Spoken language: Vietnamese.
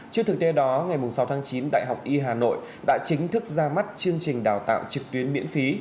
trước thực tế đó ngày sáu tháng chín đại học y hà nội đã chính thức ra mắt chương trình đào tạo trực tuyến miễn phí